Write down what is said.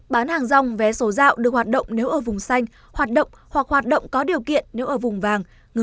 bán hàng rong vé số dạo được hoạt động nếu ở vùng xanh hoạt động hoặc hoạt động có điều kiện nếu ở vùng vàng